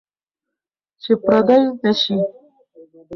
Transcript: چې پردي نشئ.